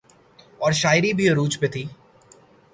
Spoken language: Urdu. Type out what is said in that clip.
اورشاعری بھی عروج پہ تھی۔